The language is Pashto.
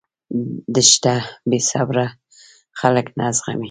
دښته بېصبره خلک نه زغمي.